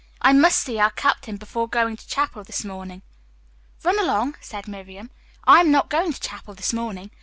"I must see our captain before going to chapel this morning." "Run along," said Miriam. "I am not going to chapel this morning.